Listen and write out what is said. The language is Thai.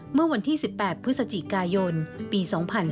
เมื่อวันที่๑๘พฤศจิกายนปี๒๕๕๙